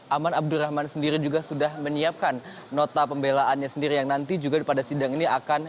aman abdurrahman sendiri juga sudah menyiapkan nota pembelaannya sendiri yang nanti juga pada sidang ini akan